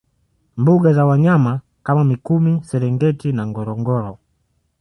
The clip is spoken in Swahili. Mbuga za wanyama kama mikumi serengeti na ngorongoro